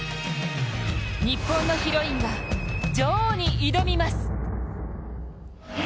日本のヒロインが、女王に挑みます。